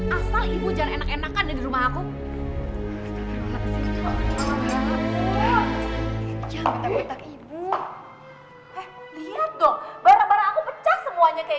asal ibu jangan enak enakan di rumah aku ibu lihat dong barang barang aku pecah semuanya kayak